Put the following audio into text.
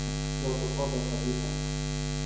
لا تقاطع حديثنا.